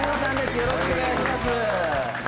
よろしくお願いします。